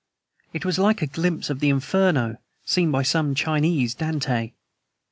It was like a glimpse of the Inferno seen by some Chinese Dante.